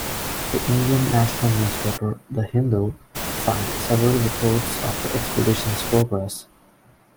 The Indian national newspaper, "The Hindu," filed several reports of the expedition's progress.